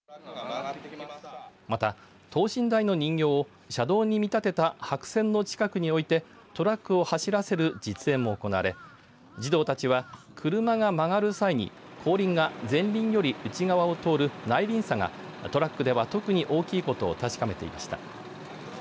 また等身大の人形を車道に見立てた白線の近くにおいてトラックを走らせる実演も行われ児童たちは車が曲がる際に後輪が前輪より内側を通る内輪差がトラックでは特に大きいことを確かめていました。